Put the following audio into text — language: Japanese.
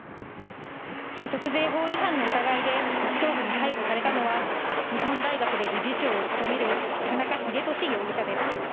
所得税法違反の疑いで特捜部に逮捕されたのは、日本大学で理事長を務める田中英壽容疑者です。